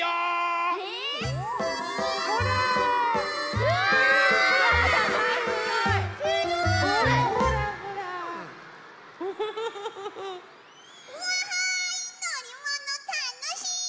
うわいのりものたのしい！